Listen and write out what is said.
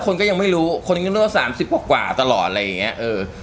คนก็ยังไม่รู้คนก็นึกว่าสามสิบกว่ากว่าตลอดอะไรอย่างเงี้ยเออ